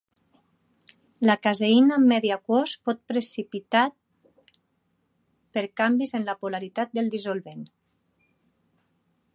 La caseïna en medi aquós pot precipitat per canvis en la polaritat del dissolvent.